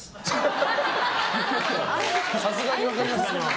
さすがに分かります。